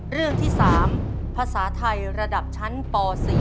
เรื่องที่๓ภาษาไทยระดับชั้นป๔